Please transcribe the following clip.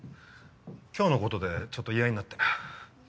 今日のことでちょっと言い合いになってな。